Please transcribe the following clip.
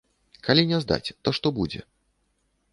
Калі не здаць, то што будзе?